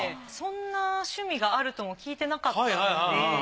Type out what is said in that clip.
そんな趣味があるとも聞いてなかったので。